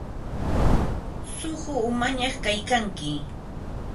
Suqu umañaq kaykanki.